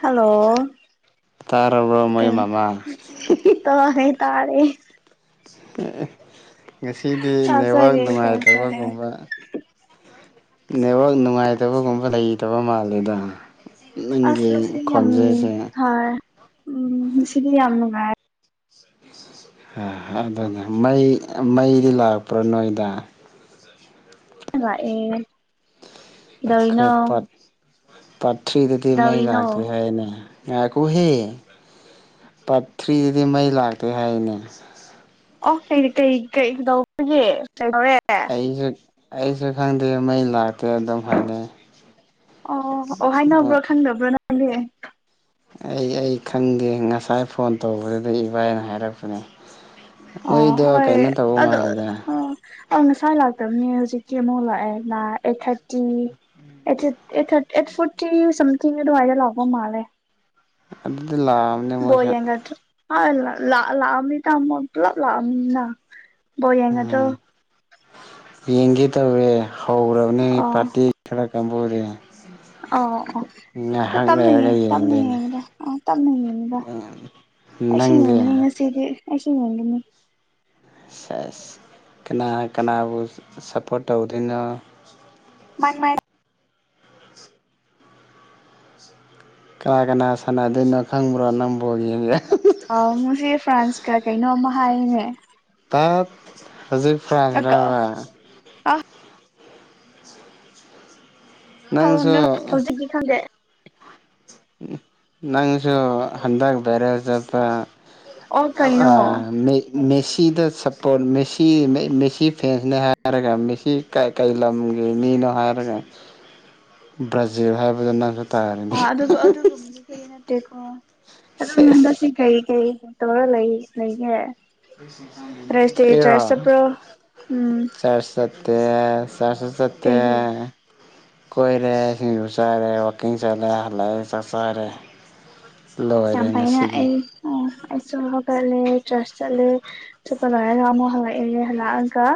hello ꯇꯥꯔꯕ꯭ꯔꯣ ꯃꯣꯏ ꯀ ꯃꯃꯥ ꯇꯉ ꯇꯥꯔꯦ [unintelligible] ꯑꯦ ꯉꯁꯤꯗꯤ ꯅꯦꯠꯋꯥꯛ ꯇꯥꯖꯔꯦ ꯇꯥꯖꯔꯦ ꯅꯨꯡꯉꯥꯏꯇꯕꯒꯨꯝꯕ ꯅꯋꯥꯛ ꯅꯨꯡꯉꯥꯏꯇꯕꯒꯨꯝꯕ ꯂꯩꯇꯕ ꯃꯥꯜꯂꯦꯗ ꯑꯁ ꯅꯪꯒꯤ ꯑꯁꯅꯤ ꯑ ꯈꯣꯟꯖꯦꯜꯁꯦ ꯍꯥ ꯎꯝ ꯁꯤꯗꯤ ꯌꯥꯝ ꯅꯨꯡꯉꯥꯏꯦ ꯑꯗꯨꯅꯦ ꯃꯩ ꯃꯩꯗꯤ ꯂꯥꯛꯄ꯭ꯔꯣ ꯅꯣꯏꯗ ꯂ ꯑꯦ ꯈꯦꯄꯠ ꯄꯊꯔꯤꯗꯨꯗꯤ ꯃꯩ ꯀꯩꯗꯧꯔꯤꯅꯣ ꯂꯥꯛꯒꯤ ꯍꯦꯅꯦ ꯉꯥꯛꯀꯨꯍꯦ ꯄꯥꯊ꯭ꯔꯤꯗꯗꯤ ꯃꯩ ꯂꯥꯛꯇꯦ ꯍꯥꯏꯅꯦ ꯑꯣ ꯀꯩ ꯀꯩ ꯀꯩꯗꯧꯕꯒꯦ ꯔꯦ ꯑꯩꯁꯦ ꯈꯪꯗꯦꯦ ꯃꯩ ꯂꯥꯛ ꯇ ꯑꯗꯨꯝ ꯍꯥꯏꯅꯩ ꯀꯦ ꯑꯩ ꯑꯩ ꯈꯪꯒꯦ ꯉꯁꯥꯏ ꯐꯣꯟ ꯇꯧꯕꯗꯨꯗ ꯏꯕꯥꯏꯅ ꯍꯥꯏꯔꯛꯄꯅꯦ ꯑ ꯃꯣꯏꯗꯣ ꯍꯣꯏ ꯀꯩꯅꯣ ꯇꯧꯕ ꯑꯗꯣ ꯃꯥꯜꯂꯦꯗ ꯑ ꯑꯧ ꯉꯁꯥ ꯂꯥꯛꯇꯕꯅꯦ ꯍꯧꯖꯤꯛꯀꯤ ꯑꯃꯨꯛ ꯂꯥꯛꯑꯦꯅ ꯑꯩꯠ ꯊꯥꯔꯇꯤ ꯑꯩ eight thirty eight forty something ꯑꯗꯨꯃꯥꯏꯗ ꯂꯥꯛꯄ ꯃꯥꯜꯂꯦ ꯑꯗꯨ ꯑꯗꯨ ꯂꯥꯛꯑꯕꯅꯦ ꯃꯣꯏꯁꯨꯦ ꯍ ꯂ ꯏ ꯇꯃꯂ ꯂꯃꯤꯅ ꯌꯦꯉꯗꯣ ꯌꯦꯡꯒꯤꯤ ꯇꯋꯦ ꯍꯥꯎꯔꯥꯕꯅꯤ ꯄꯔꯇꯤ ꯈ ꯆꯦꯝꯕꯨꯔꯤꯦ ꯑ ꯑ ꯑ ꯇꯝꯃꯦꯌꯦꯦ ꯂꯩꯔꯒ ꯌꯦꯡꯗꯣꯏꯅꯦ ꯇꯝꯃꯦꯌꯦꯦꯗ ꯑꯥ ꯇꯝꯅꯤꯡꯉꯗ ꯑꯩꯁꯨ ꯅꯪꯗꯤ ꯌꯦꯡꯅꯤꯡꯉ ꯉꯁꯤꯗꯤ ꯑꯁ ꯅꯗꯅꯤ ꯀꯅꯥ ꯀꯅꯥꯕꯨ ꯁꯞꯄꯣꯔꯠ ꯇꯧꯗꯣꯏꯔꯤꯅꯣ ꯃ ꯃ ꯀꯅꯥ ꯀꯅꯥ ꯁꯥꯟꯅꯗꯣꯏꯅꯣ ꯈꯪꯕ꯭ꯔꯣ ꯅꯪꯕꯨꯣꯒꯤ ꯌꯦꯡꯁ ꯑ ꯃꯣꯏꯁꯦ ꯐ꯭ꯔꯥꯟꯁꯀ ꯀꯩꯅꯣ ꯑꯃ ꯍꯥꯏꯅꯦ ꯇꯞ ꯍꯧꯖꯤꯛ ꯐꯥꯟꯈ꯭ꯔꯕ ꯅꯪꯁꯨ ꯍꯅ ꯍꯧꯖꯤꯛꯀꯤ ꯈꯪꯖꯩꯦ ꯅꯪꯁꯨ ꯍꯟꯗꯒ ꯦꯔꯦ ꯑꯣꯏꯁꯨꯄ ꯑꯣ ꯀꯩꯅꯣ ꯦꯁꯤ ꯁꯤꯗ ꯁꯞꯄꯣꯔꯠ ꯃꯦꯁꯤ ꯃꯦꯁꯤ ꯐꯦꯟꯁꯅꯦ ꯍꯥꯏꯔꯒ ꯃꯦꯁꯤ ꯀꯩ ꯂꯝꯒꯤ ꯃꯤꯅꯣ ꯍꯥꯏꯔꯒ ꯕ꯭ꯔꯥꯖꯤꯜ ꯍꯥꯏꯕꯗ ꯅꯪꯈ ꯑ ꯑꯗꯨ ꯑꯗꯨꯒꯨꯝꯕꯒꯤ ꯀꯩ ꯅꯠꯇꯦꯀꯣ ꯑꯗꯨꯗ ꯁꯦꯁ ꯃꯗꯁꯤ ꯀꯩ ꯀꯩ ꯇꯧꯔ ꯂꯩ ꯂꯩꯒꯦ ꯊꯔꯁꯗꯦ ꯑꯦꯔ ꯆꯔꯁ ꯆꯠꯄ꯭ꯔꯣ ꯎꯝ ꯆꯥꯠ ꯇꯦꯁ ꯆꯠꯁ ꯁꯠꯇ ꯀꯩꯒꯤ ꯀꯣꯏꯔꯦ ꯁꯤꯡ ꯌ ꯆꯔꯦ ꯋꯀꯤꯡ ꯆꯠꯂꯦ ꯍꯜꯂꯛꯑꯦ ꯆꯥꯛ ꯆꯔꯦ ꯌꯥꯝ ꯄꯥꯏꯅ ꯑꯩ ꯑ ꯁ꯭ꯀꯨꯜ ꯍꯥꯒꯠꯂꯦ ꯆꯔꯁ ꯆꯠꯂꯦ ꯆꯠꯄ ꯂꯣꯏꯔꯒ ꯑꯃꯨꯛ ꯍꯜꯂꯛꯑꯦ ꯍꯜꯂꯛꯑꯒ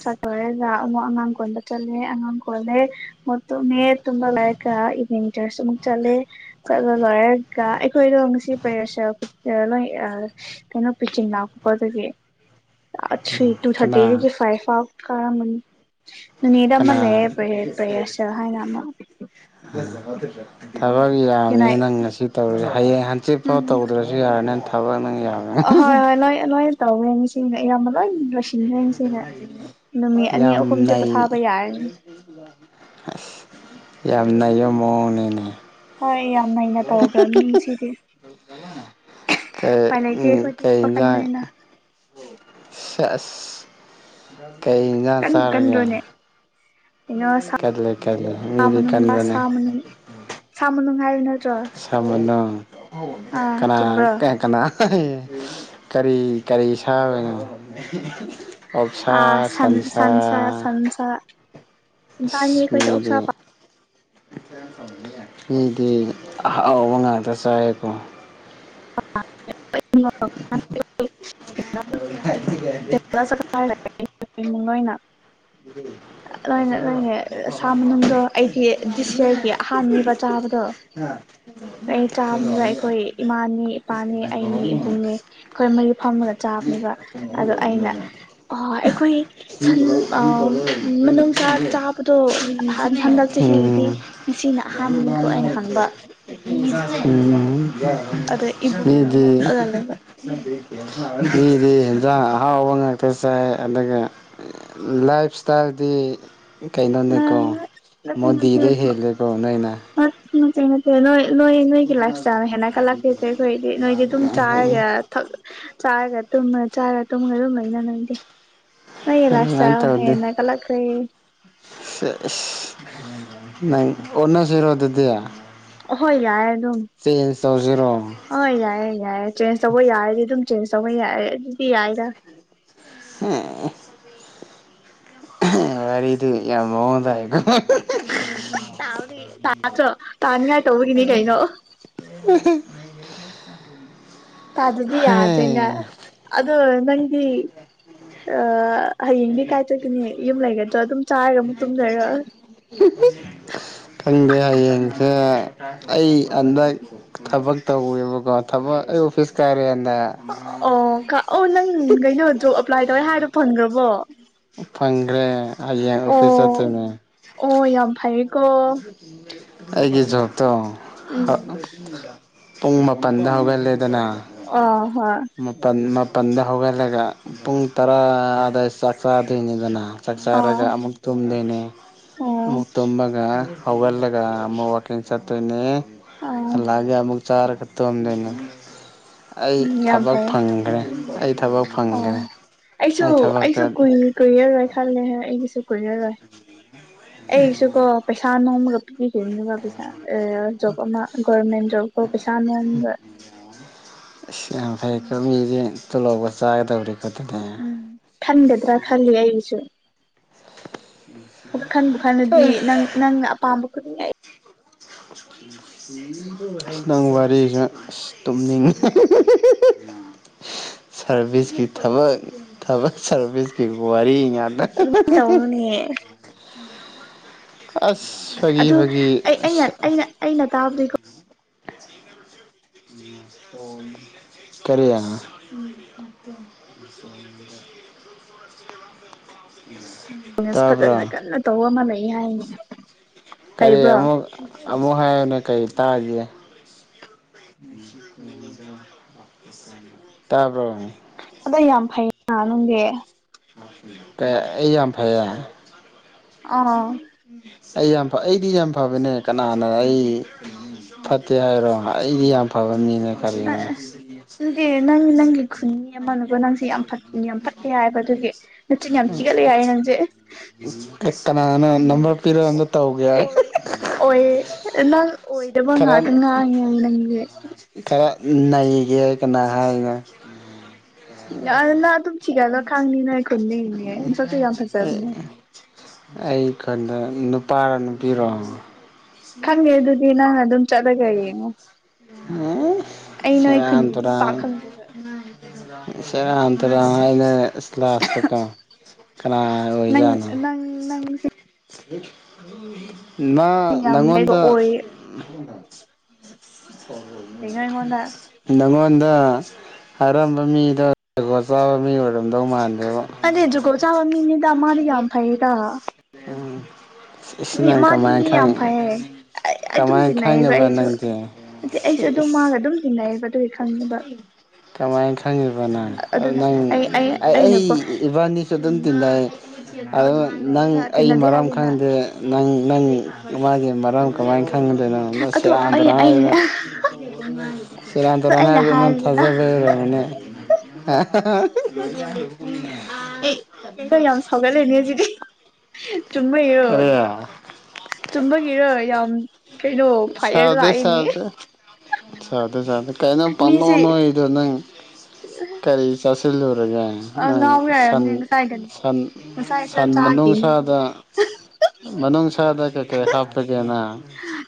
ꯆꯠ ꯂꯣꯏꯔꯒ ꯑꯃꯨꯛ ꯑꯉꯥꯡ ꯀꯣꯟꯕ ꯆꯠꯂꯦ ꯑꯉꯥꯡ ꯀꯣꯜꯂꯦ ꯑꯃꯨ ꯇꯨꯝꯃꯦ ꯇꯨꯝꯕ ꯂꯥꯏꯔꯒ ꯏꯚꯅꯤꯡ ꯇꯔꯁꯨ ꯑꯃꯨꯛ ꯆꯠꯂꯦ ꯆꯠꯂ ꯂꯣꯏꯔꯒ ꯑꯩꯈꯣꯏꯗꯣ ꯉꯁꯤ ꯄꯩꯔ ꯂꯣꯏ ꯀꯩꯅꯣ ꯄꯤꯆꯤꯟ ꯂꯥꯛ ꯈꯣꯠꯄꯣ ꯑꯗꯨꯒꯤ ꯑ ꯇꯨ ꯀꯅꯥ ꯊꯥꯔꯇꯤꯦ ꯐꯥꯎ ꯀꯥꯔ ꯑꯃꯅꯤꯅꯤ ꯅꯤꯗ ꯑꯃ ꯀꯅꯥ ꯂꯩꯔꯦ ꯄ꯭ꯔꯦ ꯄ꯭ꯔꯦꯔꯁꯦꯜ ꯍꯥꯏꯅ ꯑꯃ ꯊꯕꯛ ꯌꯥꯝꯃꯦ ꯌꯨꯅꯥꯏꯠ ꯅꯪ ꯉꯁꯤ ꯇꯧꯔꯦ ꯍꯌꯦꯡ ꯍꯟꯆꯤꯠꯐꯥꯎ ꯎꯝ ꯇꯧꯗ꯭ꯔꯁꯨ ꯌꯥꯔꯅꯤ ꯊꯕ ꯅꯉ ꯌꯥ ꯍꯣꯏ ꯍꯣꯏ ꯂꯣꯏ ꯂꯣꯏ ꯇꯧꯋꯦ ꯁꯤ ꯌꯥꯝ ꯑꯃ ꯂꯩ ꯔꯁꯤꯟꯗꯦꯟꯁꯤꯅ ꯅꯨꯃꯤꯠ ꯑꯅꯤ ꯌꯥꯝ ꯑꯍꯨꯝꯗꯤ ꯅꯩ ꯄꯣꯊꯥꯕ ꯌꯥꯔꯅꯤ ꯑ ꯌꯨꯝ ꯃꯑꯣꯅꯤꯅꯦ ꯍꯣꯏ ꯌꯥꯝ ꯅꯩꯅꯅ ꯇꯧꯈ꯭ꯔꯕ ꯃꯤꯁꯤꯗꯤ ꯀꯩ ꯎꯄꯥꯏ ꯂꯩꯇꯦ ꯎꯝ ꯑꯩꯈꯣꯏꯗꯤ ꯀꯩ ꯊꯕꯛ ꯀꯟꯕꯅꯤꯅ ꯐꯦꯁ ꯀꯩ ꯏꯟꯁꯥꯡ ꯀꯟꯕꯨ ꯆꯥꯔꯒꯦ ꯀꯟꯗ꯭ꯔꯣꯅꯦ ꯀꯩꯅꯣ ꯁꯥ ꯀꯠꯂ ꯀꯠꯂ ꯃꯤꯗꯤ ꯃꯅꯨꯡ ꯀꯟꯕꯅꯦ ꯍꯥꯏꯅ ꯁꯃꯅꯣꯡ ꯑꯥ ꯀꯅꯥ ꯆꯨꯝꯕ꯭ꯔꯣ ꯀꯀ ꯀꯔꯤ ꯀꯔꯤ ꯁꯥꯕꯅꯣ ꯑꯣꯞꯁꯥ ꯑꯥ ꯁꯟ ꯁꯟꯁꯥ ꯑꯁ ꯆꯥꯅꯤ ꯈꯗ ꯑꯣꯁ ꯃꯤꯗꯤ ꯃꯤꯗꯤ ꯑꯍꯥꯎꯕ ꯉꯥꯛꯇ ꯆꯥꯏꯀꯣ ꯑ ꯀ ꯨꯡ ꯑꯣꯏꯅ ꯂꯣꯏꯅ ꯂꯣꯏꯅꯦ ꯁꯥ ꯃꯅꯨꯡꯗꯗꯣ ꯑꯩꯒꯤ ꯗꯤꯁꯌꯔꯒꯤ ꯑꯍꯥꯟꯕꯃꯤꯕ ꯆꯥꯕꯗꯣ ꯑꯩ ꯆꯥꯕꯅꯤꯕ ꯑꯩꯈꯣꯏ ꯏꯃꯥꯅꯤ ꯏꯄꯥꯅꯤ ꯑꯩꯅꯤ ꯏꯕꯨꯡꯅꯤ ꯑꯩꯈꯣꯏ ꯃꯔꯤ ꯐꯃꯒ ꯆꯥꯕꯅꯤꯕ ꯑꯗꯣ ꯑꯩꯅ ꯑꯩꯈꯣꯏ ꯁꯟ ꯍ ꯍ ꯐꯔꯦ ꯃꯅꯨꯡꯁꯥ ꯆꯥꯕꯗꯣ ꯍꯟꯗꯛ ꯆꯍꯤꯒꯤꯗꯤ ꯉꯁꯤꯅ ꯑꯍꯥꯟꯕꯅꯤꯀꯣ ꯑꯩꯅ ꯍꯪꯕ ꯑꯗ ꯏꯕꯨꯡꯅ ꯅꯣꯛꯑꯒ ꯂꯩꯕ [inaudible] ꯑꯗꯒꯤ ꯍꯟꯖꯥꯡ ꯑꯍꯥꯎꯕ ꯉꯥꯛꯇ ꯆꯥꯏ ꯑꯗꯨꯒ ꯂꯥꯏꯐ ꯏꯁꯇꯥꯏꯜꯗꯤ ꯀꯩꯩꯅꯣꯅꯤ ꯀꯣ ꯅꯠꯇꯦ ꯃꯗꯤꯗꯦ ꯍꯦꯦꯀ ꯅꯣꯏꯅ ꯍꯦꯡ ꯅꯦ ꯅꯣꯏ ꯅꯣꯏ ꯅꯣꯏꯒꯤ ꯂꯥꯏꯐ ꯏꯁꯇꯥꯏꯜꯅ ꯍꯦꯟꯅ ꯀꯠꯂꯛꯀꯁꯦ ꯑꯩꯈꯣꯏꯗꯤ ꯅꯣꯏꯗꯤ ꯑꯗꯨꯝ ꯆꯥꯔꯒꯛ ꯆꯥꯔꯒ ꯇꯨꯝꯃ ꯆꯥꯔ ꯇꯨꯝꯉ ꯑꯗꯨꯝ ꯏꯩꯅ ꯅꯪꯗꯦ ꯅꯂ ꯑꯁ ꯑꯗꯨꯃꯥꯏꯅ ꯍ ꯇꯧꯔꯗꯤ ꯅ ꯀꯂ ꯀꯩ ꯅꯪ ꯑꯣꯟꯅ ꯁꯤꯔꯣ ꯑꯗꯨꯗ ꯑꯍꯣꯏ ꯌꯥꯔꯦ ꯑꯗꯨꯝ ꯇꯧꯁꯤꯔꯣ ꯑꯣ ꯌꯥꯏꯌꯦ ꯌꯥꯏ ꯆꯦꯟꯖ ꯇꯧꯕ ꯌꯥꯏꯌꯦ ꯑꯗꯨ ꯑꯗꯨ ꯆꯦꯟꯖ ꯇꯧꯕ ꯌꯥꯏ ꯑꯗꯨꯗꯤ ꯌꯥꯏꯗ ꯍ ꯍꯔꯗꯤ ꯌꯥꯝ ꯃꯉꯗꯑ ꯇꯅꯤ ꯇꯥ ꯇꯥꯅꯤ ꯇꯣꯕꯨ ꯏꯅꯤ ꯀꯩꯅꯩꯅꯣ ꯇ ꯑꯗꯨꯗꯤ ꯌꯥꯗꯒ ꯑꯗꯨꯗ ꯅꯪꯒꯤ ꯑ ꯍꯌꯦꯡꯗꯤ ꯀꯥꯏꯆꯒꯅꯤ ꯌꯨꯝ ꯂꯩꯒꯗ꯭ꯔꯥ ꯑꯗꯨꯝ ꯆꯥꯔꯒ ꯑꯃꯨꯛ ꯇꯨꯝꯖꯔ ꯈꯪꯗꯦ ꯍꯌꯦꯡꯁꯦ ꯑꯩ ꯍꯟꯗꯛ ꯊꯕꯛ ꯇꯧꯋꯦꯕꯀꯣ ꯊꯕꯛ ꯑꯩ ꯑꯣꯐꯤꯁ ꯀꯥꯏꯔꯦ ꯑꯣ ꯀ ꯑꯣ ꯅꯪ ꯀꯩꯅꯣ ꯖꯣꯕ ꯑꯦꯄ꯭ꯂꯥꯏ ꯇꯧꯋꯦ ꯍꯥꯏꯔꯗꯨꯣ ꯐꯪꯈ꯭ꯔꯕꯣ ꯐꯪ꯭ꯔꯦ ꯑꯡ ꯑꯣꯐꯤꯁ ꯑꯣ ꯑꯇꯩꯅꯦ [inaudible] ꯑꯣ ꯌꯥꯝ ꯐꯩꯌꯦꯀꯣ ꯑꯩꯒꯤꯦ ꯆꯣ ꯇꯣ ꯎꯝ ꯄꯨꯡ ꯃꯥꯄꯜꯗ ꯍꯧꯒꯜꯂꯦꯗꯅ ꯑ ꯍꯣꯏ ꯃꯄꯥꯟ ꯄꯗꯦ ꯍꯒꯜꯂꯒ ꯄꯨꯡ ꯇꯔꯥ ꯑꯗꯨꯗ ꯆꯠ ꯆꯗꯣꯏꯅꯤꯗꯅ ꯆꯥꯛ ꯑ ꯑꯣ ꯆꯥꯔꯒ ꯑꯃꯨꯛ ꯇꯨꯝꯗꯣꯏꯅꯦ ꯑꯣ ꯑꯃꯨꯛ ꯇꯨꯝꯃꯒ ꯑꯋꯜꯂꯒ ꯑꯃ ꯋꯥ ꯏꯡ ꯆꯠꯠꯇꯅꯤ ꯂꯥꯛꯒꯦ ꯑꯨꯛ ꯆꯥꯔ ꯈꯛꯇꯝ ꯂꯩꯣꯏꯅ ꯎ ꯑꯩ ꯎꯝ ꯌꯥꯝ ꯊꯕꯛ ꯐꯩꯌꯦ ꯐꯪꯈ꯭ꯔꯦ ꯑꯩ ꯊꯕꯛ ꯑꯣ ꯐꯪꯈ꯭ꯔꯦ ꯑꯩꯁꯨ ꯑꯩ ꯑꯩꯁꯨ ꯊꯕꯛꯇ ꯀꯨꯏ ꯀꯨꯏꯔꯦꯔꯣꯏꯦ ꯈꯜꯂꯦꯍꯦ ꯑꯩꯒꯤꯁꯨ ꯀꯣꯏ ꯒꯥ ꯑꯦꯁꯨ ꯀꯣ ꯄꯩꯁꯥꯅ ꯍꯥꯅꯤ ꯄꯦꯡꯕ ꯄꯩꯁꯥ ꯖꯕ ꯑꯃ ꯚꯣꯔꯔꯃꯦꯟ ꯕ ꯀ ꯄꯩꯁꯥꯅꯅꯕ ꯑꯁ ꯌꯥꯝ ꯐꯩꯀꯣ ꯃꯤꯁꯦ ꯇꯨꯜꯍꯥꯎꯧꯕ ꯆꯥꯒꯗꯧꯔꯤ ꯎꯝ ꯊꯟꯗꯗ꯭ꯔ ꯈꯂꯤ ꯑꯁ ꯈꯟꯕꯨ ꯈꯜꯂꯗꯤ ꯅꯪ ꯅꯪꯅ ꯑꯄꯥꯝꯕ ꯎ ꯈꯤꯇꯪ ꯋꯥꯔꯤꯁꯨ ꯇꯨꯝꯅꯤꯡꯉꯤ ꯁꯥꯔꯚꯤꯁꯀꯤ ꯊꯕꯛ ꯊꯕꯛ ꯁꯥꯔꯚꯤꯁꯀꯤ ꯋꯥꯔꯤ ꯌꯥꯗ ꯑꯗꯨꯃꯥꯏꯅ ꯇꯧꯅꯨꯅꯦ ꯑꯗꯨ ꯑꯩ ꯑꯩꯅ ꯑꯁ ꯑꯩꯅ ꯑꯩꯅ ꯇꯥꯕꯗꯤꯀꯣ [unintelligible] ꯀꯔ ꯌꯥꯅ ꯐꯖꯅ ꯇꯥꯕ꯭ꯔꯣ ꯀꯟꯅ ꯇꯧꯕ ꯑꯃ ꯂꯩ ꯌꯥ ꯀꯔꯤ ꯑꯃꯨꯛ ꯑꯃꯨꯛ ꯍꯥꯏꯌꯅ ꯀꯔꯤ ꯇꯥꯒꯦ ꯇꯥꯔꯕ ꯑꯗ ꯌꯥꯝ ꯐꯩꯅ ꯅꯨꯡꯗꯤ ꯀ ꯑꯩ ꯌꯥꯝ ꯐꯩꯌꯥ ꯎ ꯑꯥ ꯑꯩ ꯌꯥꯝ ꯑꯩꯗꯤ ꯌꯥꯝ ꯐꯕꯅꯦ ꯀꯅꯥꯅ ꯑꯩ ꯐꯠꯇꯦ ꯍꯥꯏꯔꯣ ꯑꯩꯗꯤ ꯌꯥꯝ ꯐꯕ ꯃꯤꯅꯦ ꯀꯔꯤꯉ ꯗꯦ ꯅꯪꯤ ꯅꯪꯂꯤ ꯈ ꯈꯨꯅꯤꯌꯥ ꯃꯜ ꯑꯗꯨꯒ ꯅꯪꯁꯦ ꯌꯥꯝ ꯐ ꯌꯥꯝ ꯐꯠꯂꯦ ꯍꯥꯏꯕ ꯑꯗꯨꯒꯤ ꯅꯆꯤꯟ ꯌꯥꯝ ꯊꯤꯒꯠꯂꯦ ꯍꯥꯏꯏ ꯅꯪꯁꯦ ꯀꯛꯀꯅꯅ ꯅꯝꯕꯔ ꯄꯤꯔꯛ ꯑꯝꯗ ꯇꯧꯒꯦ ꯑꯣꯏ ꯑꯣꯏ ꯅꯪ ꯑꯣꯏꯗꯕ ꯈꯔ ꯉꯥꯛ ꯉ ꯅꯪ ꯈꯔ ꯅꯩꯒꯦ ꯀꯅꯥ ꯍꯥꯏꯅ ꯑꯗꯨꯅ ꯑꯗꯨ ꯆꯤꯒꯥꯏ ꯈꯥꯡꯪꯅꯤꯅ ꯈꯨꯣꯟꯅꯤ ꯌꯥ ꯐꯖꯔꯅꯤ ꯑꯩ ꯈꯟꯗ ꯅꯨꯄꯥꯔꯣ ꯅꯨꯄꯤꯔꯣ ꯍꯪꯦ ꯑꯗꯨꯗꯤ ꯅ ꯑꯗꯨꯝ ꯆꯂꯒꯌꯦꯉ ꯁꯔꯌꯥꯝ ꯇꯨꯔꯥꯟ ꯄꯥꯛ ꯈꯪꯗꯦꯕ ꯁꯔ ꯇꯔꯩꯅ ꯏꯁꯂꯥꯁꯇꯀ ꯀꯅꯥ ꯅꯪ ꯑꯣꯏꯖꯠꯅꯣ ꯅꯪ ꯅꯪꯁꯦ ꯍ ꯃꯥ ꯌꯥꯝ ꯀꯩꯕ ꯅꯅꯥꯪꯉꯣꯟꯗ ꯑꯣꯏ ꯀꯩꯅꯣ ꯑꯩꯉꯣꯟꯗ ꯉꯣ ꯑꯩꯉꯣꯟꯗ ꯑꯔꯝꯕ ꯃꯤꯗꯣꯒꯣ ꯆꯥꯕ ꯃꯤ ꯑꯣꯏꯔꯝꯗꯧ ꯃꯥꯜꯂꯤ ꯑꯗꯨ ꯖꯨꯀꯣ ꯆꯥꯕ ꯃꯤꯅꯤꯗ ꯃꯥꯗꯤ ꯌꯥꯝ ꯐꯩꯌꯦꯗ ꯁꯤ ꯃꯤ ꯅꯪ ꯃꯥꯗꯤ ꯀꯃꯥꯏ ꯃꯤ ꯌꯥꯝ ꯈꯉ ꯐꯩꯌꯦ ꯑꯩ ꯀꯃꯥꯏ ꯈꯪꯉꯦꯕ ꯅꯪꯗꯤ ꯑ ꯑꯩꯁꯨꯦ ꯑꯗꯨꯝ ꯃꯥꯒ ꯑꯗꯨꯝ [inaudible] ꯀꯃꯥꯏ ꯈ ꯈꯪꯉꯤꯕ ꯅꯪ ꯅꯪ ꯑꯩ ꯑꯩ ꯏꯕꯥꯅꯤꯁꯨ ꯑꯗꯨꯝ ꯇꯤꯟꯅꯩ ꯑꯗꯨ ꯑ ꯇꯤꯟꯅꯩꯅ ꯅꯪ ꯑꯩ ꯇꯤꯟꯅꯗꯦ ꯃꯔꯥꯝ ꯍꯥꯏꯒꯦꯅ ꯈꯪꯗꯦ ꯅꯪ ꯅꯪ ꯃꯥꯒꯤ ꯃꯔꯝ ꯀꯃꯥꯏ ꯪꯗꯅ ꯑꯗꯨ ꯑꯩ ꯑꯩꯅ ꯁꯤꯦꯔꯥꯟꯗ꯭ꯔꯥꯥꯟ ꯑꯗꯨ ꯔꯅ ꯍꯥꯏ ꯑꯩꯅ ꯑꯗꯨꯅ ꯍꯥꯏꯔꯤꯗꯅ ꯊꯥꯖꯕꯦ ꯔ ꯃꯅ ꯑ ꯑꯦ [unintelligible] ꯇꯨꯃ ꯑꯣ ꯆꯨꯝꯕꯒꯤꯔ ꯌꯥꯝ ꯀꯩꯅꯩꯅꯣ ꯐꯥꯏꯔ ꯁꯥꯗꯦ ꯍꯥꯏꯏꯅꯤ ꯁꯥꯗꯦ ꯁꯥꯗꯦ ꯁꯥꯗꯦ ꯀꯥꯏꯅ ꯄꯟꯣꯅꯣ ꯏꯗ ꯅ ꯀꯔꯤ ꯆꯁ ꯆꯜꯂꯣ ꯑꯗꯨꯒ ꯅꯪ ꯉꯥꯎꯕ ꯁꯟ ꯌꯥꯔꯝꯅꯦ ꯉꯁꯥꯏꯒ ꯁꯟ ꯉꯁꯥꯏ ꯈꯔ ꯁꯟ ꯆꯥꯈꯤꯅꯦ ꯃꯅꯨꯡꯁꯥꯗ ꯃꯅꯨꯡꯁꯥꯗ ꯀꯩ ꯀꯩ ꯍꯥꯞꯄꯒꯦꯅ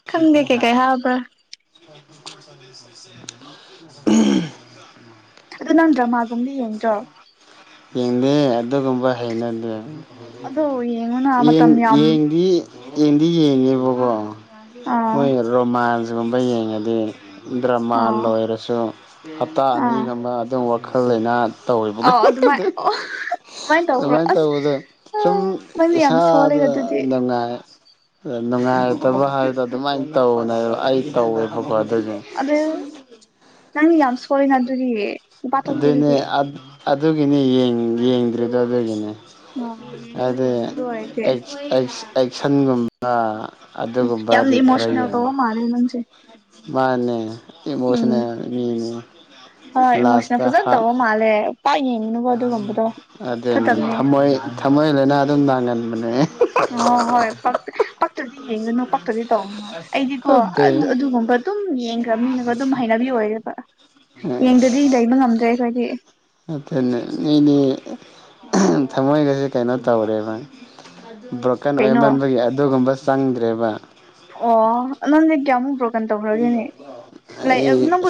ꯈꯪꯗꯦ ꯀꯩ ꯀꯩ ꯍꯥꯕ꯭ꯔꯥ ꯎꯍꯨꯝ ꯑꯗꯨ ꯅꯪ ꯗ꯭ꯔꯃꯥ ꯒꯨꯝꯗꯤ ꯌꯦꯡꯗ꯭ꯔꯣ ꯌꯦꯡꯗꯦ ꯑꯗꯨꯒꯨꯝꯕ ꯍꯩꯅꯗꯦ ꯑꯗꯣ ꯌꯦꯡꯉꯨꯅ ꯌꯦꯡ ꯃꯇꯝ ꯌꯥꯝ ꯌꯦꯡꯗꯤ ꯌꯦꯡꯗꯤ ꯌꯦꯡꯉꯦꯕꯀꯣ ꯑꯥ ꯃꯣꯏ ꯔꯣꯃꯥꯟꯁ ꯁꯤꯒꯨꯝꯕ ꯌꯦꯡꯉꯗꯤ ꯗ꯭ꯔꯃꯥ ꯑꯥ ꯂꯣꯏꯔꯁꯨ ꯍꯞꯇꯥ ꯑꯥ ꯑꯅꯤꯒꯨꯝꯕ ꯑꯗꯨꯝ ꯋꯥ ꯈꯜ ꯂꯩꯅꯥ ꯇꯧꯔꯤꯕꯒꯦ ꯑꯥꯎ ꯑꯗꯨꯃꯥꯏ ꯑꯣ ꯍꯍ ꯑꯗꯨꯃꯥꯏ ꯇꯧꯕ꯭ꯔꯣ ꯑꯁ ꯇꯧꯕꯗ ꯑꯑ ꯁꯨꯝ ꯅꯪꯗꯤ ꯌꯥꯝ ꯁꯣꯜꯂꯦꯗ ꯑꯗꯨꯗꯤ ꯇ꯭ꯔꯥ ꯅꯨꯡꯉꯥꯏꯇꯕ ꯍꯥꯏꯗ ꯑꯗꯨꯃꯥꯏꯅ ꯇꯧꯕꯅꯦꯕ ꯑꯩ ꯇꯧ [unintelligible] ꯑꯗ꯭ꯔꯩ ꯅꯪꯗꯤ ꯌꯥꯝ ꯁꯣꯏꯅ ꯑꯗꯨꯗꯤ ꯅꯨꯄꯥ ꯑꯗꯨꯅꯦ ꯊꯣꯛꯄꯤꯗꯨꯗꯤ ꯑ ꯑꯗꯨꯒꯤꯅꯤ ꯌꯦꯡꯗ꯭ꯔꯤꯗꯣ ꯑꯗꯨꯒꯤꯅꯤ ꯑꯣ ꯌꯦꯡꯂꯣ ꯑꯗꯩ ꯌꯦꯡꯕꯗꯣ ꯑꯣꯏꯔꯗꯤ ꯑꯩꯁ ꯑꯩꯁ ꯑꯩꯁ ꯁꯟ ꯒꯨꯝꯕ ꯎꯝ ꯌꯥꯝꯅ ꯏꯃꯣꯁꯅꯦꯜ ꯇꯧꯕ ꯃꯥꯜꯂꯦ ꯅꯪꯁꯦ ꯃꯥꯅꯦ ꯎꯝ ꯏꯃꯣꯁꯅꯦꯜ ꯃꯤꯅꯤ ꯍꯣꯏ ꯏꯃꯣꯁꯅꯦꯜ ꯂꯥꯁꯇ ꯐꯖꯅ ꯍꯥꯠ ꯇꯧꯕ ꯃꯥꯜꯂꯦ ꯄꯥꯛ ꯌꯦꯡꯒꯅꯨꯀꯣ ꯑꯗꯨꯒꯨꯝꯕꯗꯣ ꯑꯗꯨꯅꯦ ꯐꯠꯇꯕꯅꯦ ꯊꯝꯃꯣꯏ ꯊꯝꯃꯣꯏ ꯂꯩꯅꯥ ꯑꯗꯨꯝ ꯅꯥꯒꯟꯕꯅꯦ [unintelligible] ꯑꯣ ꯍꯣꯏ ꯄꯛ ꯄꯛꯇ꯭ꯔꯗꯤ ꯌꯦꯡꯒꯅꯨ ꯄꯛꯇ꯭ꯔꯗꯤ ꯇꯧꯒꯅꯨ ꯑꯩꯗꯤꯀꯣ ꯑꯗꯨ ꯑꯗꯨꯒꯨꯝꯕ ꯑꯗꯨꯝ ꯌꯦꯡꯒ꯭ꯔꯝꯅꯤꯅꯀꯣ ꯑꯗꯨꯝ ꯍꯩꯅꯕꯤ ꯑꯣꯏꯌꯦꯕ ꯌꯦꯡꯗꯗꯤ ꯂꯩꯕ ꯉꯝꯗ꯭ꯔꯦ ꯑꯩꯈꯣꯏꯗꯤ ꯃꯤ ꯑꯍꯝ ꯊꯃꯣꯏꯒꯁꯦ ꯀꯩꯅꯣ ꯇꯧꯔꯦꯕ ꯕ꯭ꯔꯣꯀꯟ ꯀꯩꯅꯣ ꯑꯣꯏꯃꯟꯕꯒꯤ ꯑꯗꯨꯒꯨꯝꯕ ꯆꯪꯗ꯭ꯔꯦꯕ ꯑꯣ ꯅꯪꯗꯤ ꯀꯌꯥꯃꯨꯛ ꯕ꯭ꯔꯣꯀꯟ ꯇꯧꯈ꯭ꯔꯒꯦꯅꯦ ꯂꯩ ꯑꯩ ꯅꯪꯕꯨ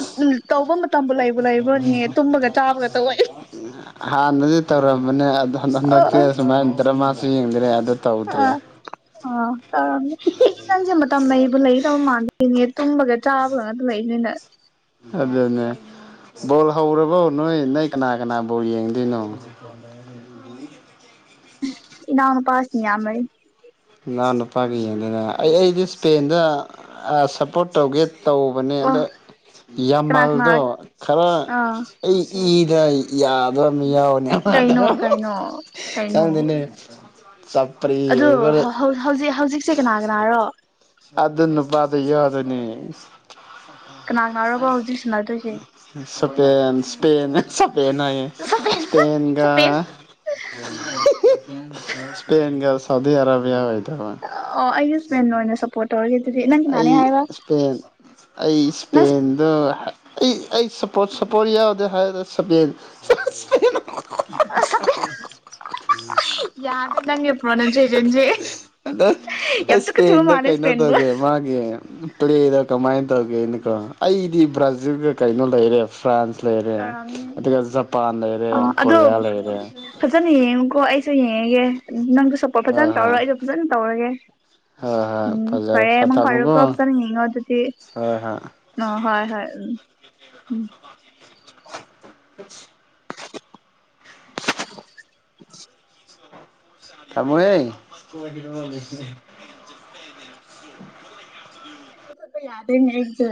ꯇꯧꯕ ꯃꯇꯝꯕꯨ ꯂꯩꯕꯨ ꯂꯩꯕ꯭ꯔꯣꯅꯦ ꯇꯨꯝꯕꯒ ꯆꯥꯕꯒ ꯇꯧꯋꯦ ꯍꯥꯟꯅꯗꯤ ꯇꯧꯔꯝꯕꯅꯦ ꯑꯗꯣ ꯍꯟꯗꯛ ꯑ ꯍꯟꯗꯛꯇꯤ ꯁꯨꯃꯥꯏꯅ ꯗ꯭ꯔꯃꯥ ꯁꯤ ꯌꯦꯡꯗ꯭ꯔꯦ ꯑꯗꯨ ꯇꯧꯗ꯭ꯔꯦ ꯇꯧꯔꯝ ꯑꯩꯁꯦ ꯅꯪꯁꯦ ꯃꯇꯝ ꯂꯩ ꯑꯩꯕꯨ ꯂꯩꯗꯕ ꯃꯥꯟꯗ ꯏꯡꯉꯦ ꯇꯨꯝꯕꯒ ꯆꯥꯕꯒꯅ ꯑꯗꯨꯝ ꯂꯩꯅꯤꯅ ꯑꯗꯨꯅꯦ ꯕꯣꯜ ꯍꯧꯔꯕꯣ ꯅꯣꯏ ꯅꯣꯏ ꯀꯅꯥ ꯀꯅꯥ ꯕꯣꯜ ꯌꯦꯡꯗꯣꯏꯅꯣ ꯏꯅꯥ ꯄꯥꯁꯅꯤ ꯌꯥꯝ ꯃꯥꯏ ꯏꯅꯥꯎꯅꯨꯄꯥꯒꯤ ꯌꯦꯡꯗꯅ ꯑꯩ ꯑꯩꯗꯤ ꯏꯁ꯭ꯄꯦꯟꯗ ꯁꯞꯄꯣꯔꯠ ꯇꯧꯒꯦ ꯇꯧꯕꯅꯦ ꯑꯣ ꯑꯗ ꯀꯅꯥ ꯀꯅꯥ ꯌꯥꯝꯃꯜꯗꯣ ꯈꯔ ꯑꯥ ꯑꯩ ꯏ ꯌꯥꯗꯕ ꯃꯤ ꯌꯥꯎ ꯃꯥꯗ ꯀꯩꯅꯣ ꯀꯩꯅꯣ ꯀ ꯀꯩꯅꯣ ꯆꯄ꯭ꯔꯤ ꯑꯗꯨ ꯔꯤꯕꯔ ꯍꯧꯖꯤꯛ ꯍꯧꯖꯤꯛꯁꯦ ꯀꯅꯥ ꯀꯅꯥꯔꯣ ꯑꯗꯨ ꯑꯗꯨꯅ ꯄꯥꯗ ꯌꯥ ꯑꯗꯨꯅꯤ ꯀꯅꯥ ꯀꯅꯥꯔꯣꯕ ꯍꯧꯖꯤꯛ ꯁꯥꯟꯅꯗꯣꯏꯁꯦ ꯁꯄ ꯁꯄ ꯂꯩꯅꯏ ꯁꯄꯦꯟ ꯏꯁꯄꯦꯟꯒ ꯁꯄꯦꯟ ꯁꯄꯦꯟꯦꯟꯒ ꯁꯧꯗꯤ ꯑꯔꯥꯕꯌꯥꯥ ꯑꯗꯨꯒ ꯁꯄꯣꯔꯔ ꯑꯩ ꯏꯁꯄꯦꯟ ꯑꯩ ꯅꯪ ꯏꯁꯄꯦꯟꯗ ꯑꯩ ꯑꯩ ꯁꯞꯄꯣꯔꯠ ꯁꯞꯄꯣꯔꯠ ꯌꯥꯎꯗꯦ ꯍꯥꯏꯔꯗ ꯁꯄꯦꯟ [unintelligible] [inaudible] ꯌꯥꯔꯗ ꯄꯨꯅꯖꯔꯦꯟꯖꯤꯦ ꯌꯥꯝ ꯇ ꯈꯨꯊꯕ ꯁ꯭ꯄꯦꯟꯗ ꯃꯥꯅꯦꯁ ꯀꯩꯅꯣ ꯐꯦꯟꯕꯣ ꯇꯧꯒꯦ ꯃꯥꯒꯤ ꯄ꯭ꯂꯦꯗ ꯀꯃꯥꯏꯅ ꯇꯧꯒꯦꯅꯀꯣ ꯑꯩꯗꯤ ꯕ꯭ꯔꯥꯖꯤꯜꯒ ꯀꯩꯅꯣ ꯂꯩꯔꯦ ꯐ꯭ꯔꯥꯟꯁ ꯂꯩꯔꯦ ꯇꯧꯔꯝꯅꯤ ꯑꯗꯨꯒ ꯖꯄꯥꯟ ꯂꯩꯔꯦ ꯑꯥ ꯑꯗꯣ ꯀꯣꯔꯤꯌꯥ ꯂꯩꯔꯦ ꯐꯖꯅ ꯌꯦꯡꯉꯨꯀꯣ ꯑꯩꯁꯨ ꯌꯦꯡꯉꯒꯦ ꯅꯪꯁꯨ ꯁꯞꯄꯣꯔꯠ ꯍꯣꯏ ꯐꯖꯅ ꯇꯧꯔ ꯍꯣꯏ ꯑꯩꯁꯨ ꯐꯖꯅ ꯇꯧꯔꯒꯦ ꯍꯣꯏ ꯍꯣꯏ ꯎꯝ ꯄꯔꯦ ꯐꯖꯔꯦ ꯃ ꯄ ꯊꯝꯃꯨꯀꯣ ꯀ ꯆꯉ ꯍꯣꯏ ꯍꯣꯏ [unintelligible] ꯑ ꯍꯣꯏ ꯍꯣꯏ ꯎ ꯎꯝ [unintelligible] ꯑ ꯊꯃꯨꯋꯦ ꯌꯥꯗ ꯅꯖ